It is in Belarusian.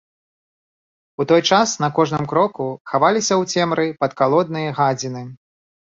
У той час на кожным кроку хаваліся ў цемры падкалодныя гадзіны.